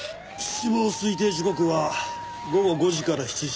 死亡推定時刻は午後５時から７時。